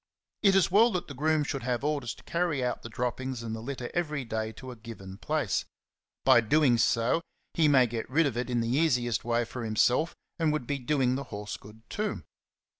It is well that the groom should have orders to carry out CHAPTER V. 31 the droppings and the litter every day to a given place ; by doing so he may get rid of it in the easiest way for himself, and would be doing the horse good too.